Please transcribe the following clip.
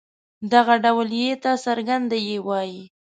دغه ډول ي ته څرګنده يې وايي.